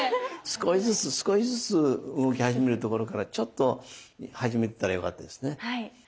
少しずつ少しずつ動き始めるところからちょっと始めてたらよかったですね。